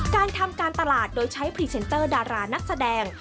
การทำการตลาดโดยใช้พรีเซนเตอร์ดารานักแสดง